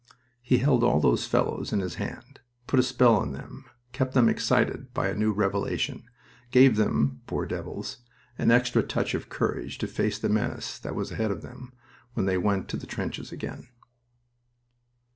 He held all those fellows in his hand, put a spell on them, kept them excited by a new revelation, gave them, poor devils, an extra touch of courage to face the menace that was ahead of them when they went to the trenches again.